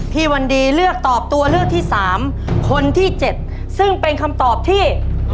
พี่วันดีเลือกตอบตัวเลือกที่๓คนที่๗ซึ่งเป็นคำตอบที่